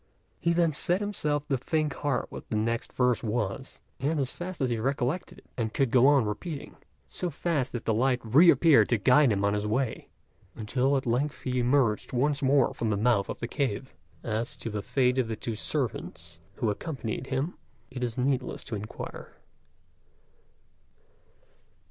He then set himself to think hard what the next verse was, and as fast as he recollected and could go on repeating, so fast did the light reappear to guide him on his way, until at length he emerged once more from the mouth of the cave. As to the fate of the two servants who accompanied him it is needless to inquire.